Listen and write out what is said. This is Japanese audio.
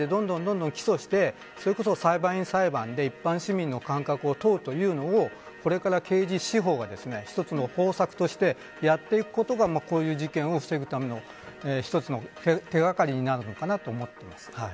殺人罪で、どんどん起訴して裁判員裁判で一般市民の感覚を問うというのをこれから刑事司法が一つの方策としてやっていくことがこういう事件を防ぐための一つの手掛かりになるのかなと思っています。